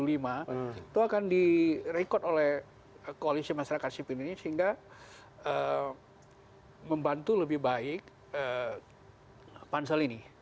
itu akan direkod oleh koalisi masyarakat sipil ini sehingga membantu lebih baik pansel ini